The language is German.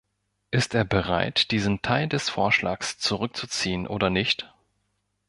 Ist er bereit, diesen Teil des Vorschlags zurückzuziehen oder nicht?